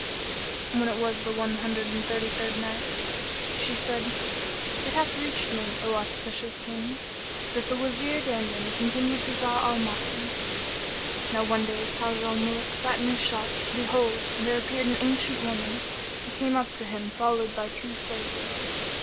When it was the One Hundred and Thirty third Night, She said, It hath reached me, O auspicious King, that the Wazir Dandan continued to Zau al Makan: Now one day as Taj al Muluk sat in his shop, behold, there appeared an ancient woman, who came up to him followed by two slave girls.